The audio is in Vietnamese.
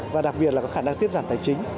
và đặc biệt là có khả năng tiết giảm tài chính